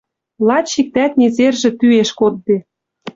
Лач иктӓт незержӹ тӱэш кодде